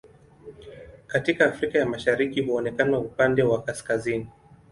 Katika Afrika ya Mashariki huonekana upande wa kaskazini.